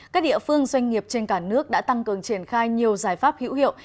các địa phương doanh nghiệp trên cả nước đã tăng cường triển khai nhiều giải pháp hữu hiệu